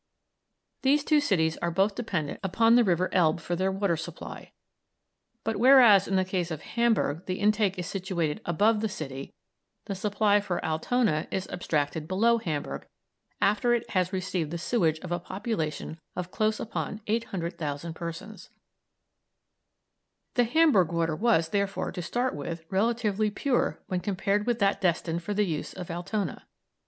These two cities are both dependent upon the River Elbe for their water supply, but whereas in the case of Hamburg the intake is situated above the city, the supply for Altona is abstracted below Hamburg after it has received the sewage of a population of close upon 800,000 persons. The Hamburg water was, therefore, to start with, relatively pure when compared with that destined for the use of Altona.